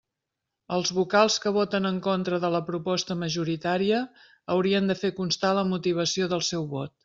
Els vocals que voten en contra de la proposta majoritària haurien de fer constar la motivació del seu vot.